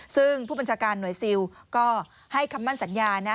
ซึ่งผู้บัญชาการหน่วยซิลก็ให้คำมั่นสัญญานะ